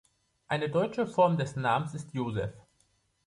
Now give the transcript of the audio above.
Eine deutsche Form des Namens ist Josef.